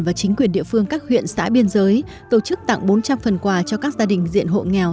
và chính quyền địa phương các huyện xã biên giới tổ chức tặng bốn trăm linh phần quà cho các gia đình diện hộ nghèo